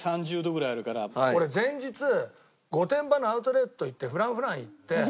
俺前日御殿場のアウトレット行ってＦｒａｎｃｆｒａｎｃ行って。